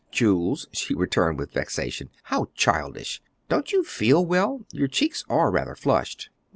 "Jules," she returned with vexation, "how childish! Don't you feel well? Your cheeks are rather flushed."